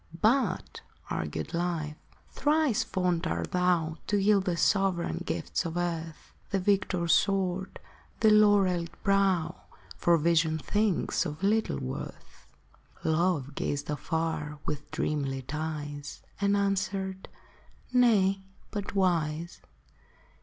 " But," argued Life, " thrice fond art thou To yield the sovereign gifts of Earth — The victor sword, the laureled brow — For visioned things of little worth !" 150 "POOR love!" said life Love gazed afar with dreamt lit eyes, And answered, " Nay : but wise."